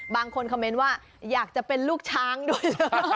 บางคนคอมเมนต์ว่าอยากจะเป็นลูกช้างด้วย